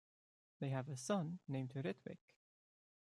They have a son named Ritwik.